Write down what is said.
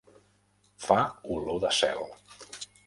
Fa olor de cel.